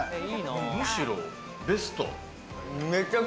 むしろベスト。